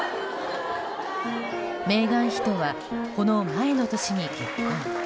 メーガン妃とはこの前の年に結婚。